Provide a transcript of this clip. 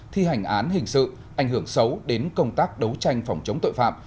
thi hành án hình sự ảnh hưởng xấu đến công tác đấu tranh phòng chống tội phạm